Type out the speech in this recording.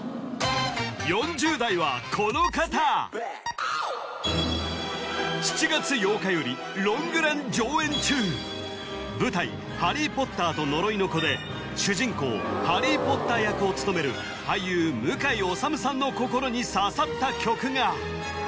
４０代はこの方舞台「ハリー・ポッターと呪いの子」で主人公ハリー・ポッター役を務める俳優向井理さんの心に刺さった曲がＢ